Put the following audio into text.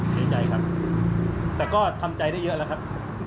เสียใจครับแต่ก็ทำใจได้เยอะแล้วครับ